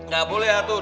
gak boleh atuh